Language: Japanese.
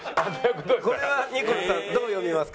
これはニコルさんどう読みますか？